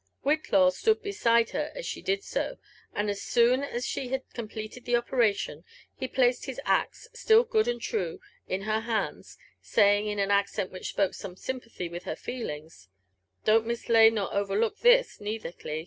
Whillaw stood beside her as she did so ; ac^d as soon as she had completejd the operation, he placed his axe, still good and true, in her hands, saying in an accent which spoke some sympathy with her feelings, Dont't mislay nor overlook this, neither, Cli.